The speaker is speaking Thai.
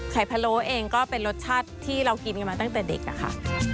พะโล้เองก็เป็นรสชาติที่เรากินกันมาตั้งแต่เด็กอะค่ะ